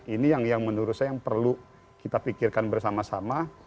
ini yang menurut saya yang perlu kita pikirkan bersama sama